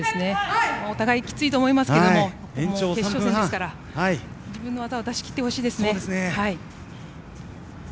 お互いきついと思いますが決勝戦ですから自分の技を出し切ってほしいです。